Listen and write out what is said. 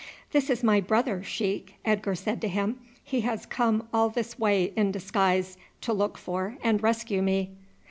"This is my brother, sheik," Edgar said to him. "He has come all this way in disguise to look for and rescue me."